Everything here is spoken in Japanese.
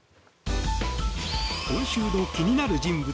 今週の気になる人物